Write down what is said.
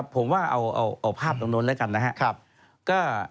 ผมว่าเอาภาพตรงนู้นแล้วกัน